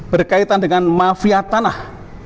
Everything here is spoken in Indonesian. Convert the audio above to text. berkaitan dengan mafia tanah